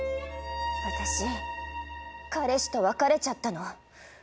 私彼氏と別れちゃったの。